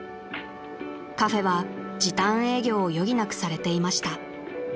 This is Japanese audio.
［カフェは時短営業を余儀なくされていました］